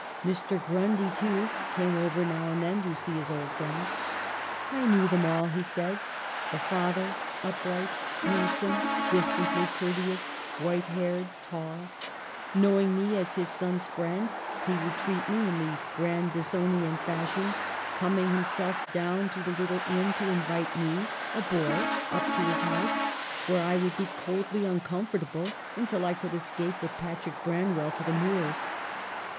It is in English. Mr. Grundy, too, came over now and then to see his old friend. "I knew them all," he says — "the father, upright, handsome, distantly courteous, white haired, tall ; knowing me as his son's friend, he would treat me in the Grandisonian fashion, coming himself down to the little inn to invite me, a boy, up to his house, where I would be coldly uncomfortable until I could escape with Patrick Branwell to the moors.